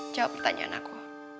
jawab pertanyaan aku